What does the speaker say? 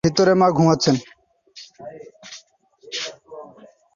ভিতরে মা ঘুমাচ্ছে।